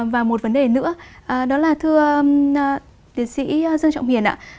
và một vấn đề nữa đó là thưa tiến sĩ dương trọng hiền ạ